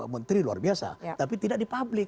menteri luar biasa tapi tidak di publik